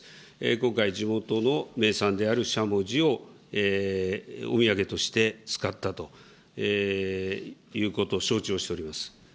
今回、地元の名産であるしゃもじをお土産として使ったということ、承知をしております。